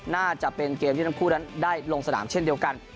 น่าจะเป็นเกมที่ทั้งคู่นั้นได้ลงสนามเช่นเดียวกัน